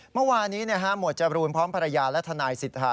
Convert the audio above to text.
เมื่อวานี้หมวดจรูนพร้อมภรรยาและทนายสิทธา